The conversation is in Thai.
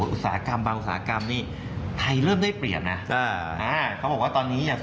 อุตสาหกรรมบางอุตสาหกรรมนี่ไทยเริ่มได้เปลี่ยนนะ